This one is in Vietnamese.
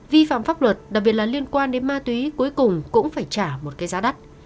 vi phạm pháp luật đặc biệt là liên quan đến ma túy cuối cùng cũng phải trả một cái giá đắt